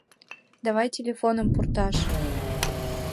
Давай телефоным пурташ!